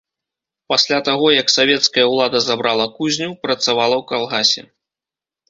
Пасля таго, як савецкая ўлада забрала кузню, працавала ў калгасе.